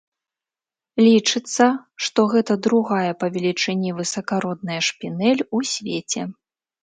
Лічыцца, што гэта другая па велічыні высакародная шпінэль у свеце.